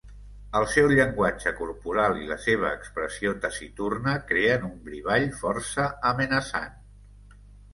El seu llenguatge corporal i la seva expressió taciturna creen un brivall força amenaçant.